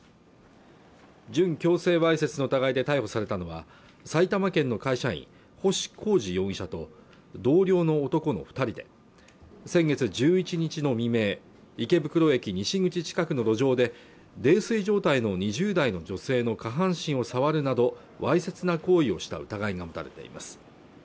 準強制わいせつの疑いで逮捕されたのは埼玉県の会社員星光司容疑者と同僚の男の二人で先月１１日の未明池袋駅西口近くの路上で泥酔状態の２０代の女性の下半身を触るなどわいせつな行為をした疑いが持たれています